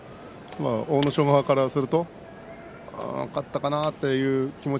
阿武咲側からすると勝ったかなという気持ち